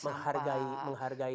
cari yang menghargai